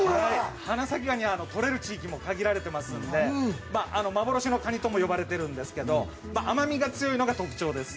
花咲ガニは取れる地域が限られていますので、幻のカニとも呼ばれているんですけれども、甘みが強いのが特徴です。